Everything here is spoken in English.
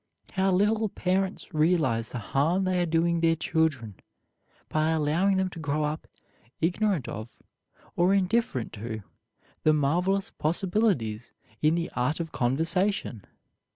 How little parents realize the harm they are doing their children by allowing them to grow up ignorant of or indifferent to the marvelous possibilities in the art of conversation!